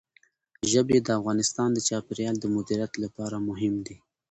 ژبې د افغانستان د چاپیریال د مدیریت لپاره مهم دي.